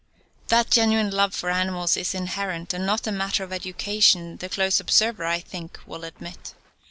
That genuine love for animals is inherent and not a matter of education the close observer, I think, will admit.